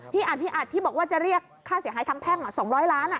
อัดพี่อัดที่บอกว่าจะเรียกค่าเสียหายทางแพ่ง๒๐๐ล้าน